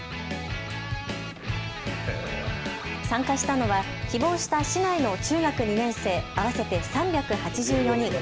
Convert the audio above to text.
参加したのは希望した市内の中学２年生合わせて３８４人。